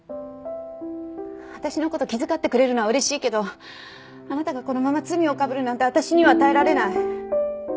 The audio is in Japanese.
私の事気遣ってくれるのは嬉しいけどあなたがこのまま罪をかぶるなんて私には耐えられない。